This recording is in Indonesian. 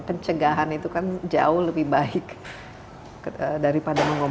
dan cegahan itu kan jauh lebih baik daripada mengobati